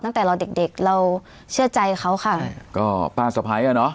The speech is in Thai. ตั้งแต่เราเด็กเด็กเราเชื่อใจเขาค่ะใช่ก็ป้าสะพ้ายอ่ะเนอะ